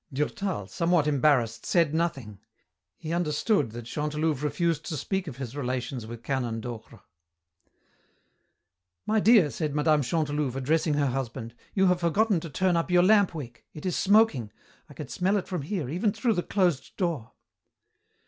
Durtal, somewhat embarrassed, said nothing. He understood that Chantelouve refused to speak of his relations with Canon Docre. "My dear," said Mme. Chantelouve, addressing her husband, "you have forgotten to turn up your lamp wick. It is smoking. I can smell it from here, even through the closed door."